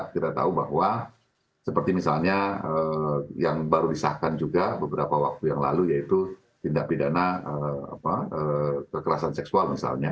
kita tahu bahwa seperti misalnya yang baru disahkan juga beberapa waktu yang lalu yaitu tindak pidana kekerasan seksual misalnya